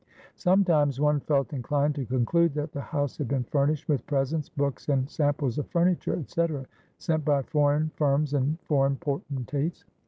Sometimes one felt inclined to conclude that the house had been furnished with presents, books, and samples of furniture, etc., sent by foreign firms and foreign potentates.